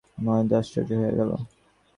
মহেন্দ্র আশ্চর্য হইয়া গেল।